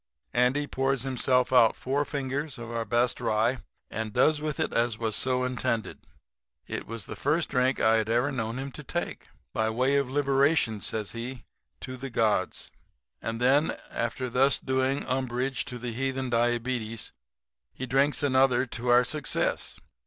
"Andy pours himself out four fingers of our best rye and does with it as was so intended. It was the first drink I had ever known him to take. "'By way of liberation,' says he, 'to the gods.' "And then after thus doing umbrage to the heathen diabetes he drinks another to our success.